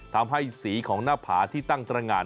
ทำให้สีของหน้าผาที่ตั้งตรงาน